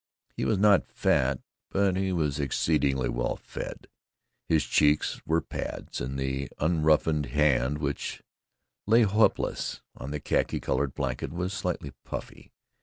He was not fat but he was exceedingly well fed; his cheeks were pads, and the unroughened hand which lay helpless upon the khaki colored blanket was slightly puffy.